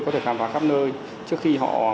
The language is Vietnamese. có thể khám phá khắp nơi trước khi họ